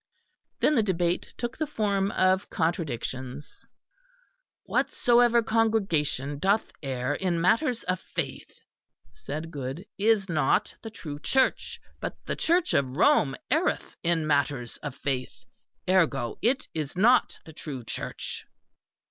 Then the debate took the form of contradictions. "Whatsoever congregation doth err in matters of faith," said Goode, "is not the true Church; but the Church of Rome erreth in matters of faith; ergo, it is not the true Church."